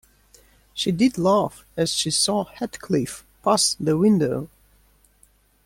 She did laugh as she saw Heathcliff pass the window.